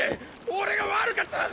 俺が悪かった！